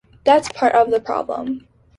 That's part of the problem...